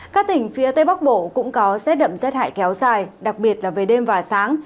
các tỉnh phía tây bắc bộ cũng có rét đậm rét hại kéo dài đặc biệt là về đêm và sáng